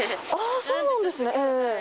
そうなんですね。